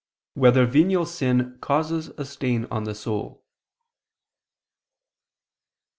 1] Whether Venial Sin Causes a Stain on the Soul?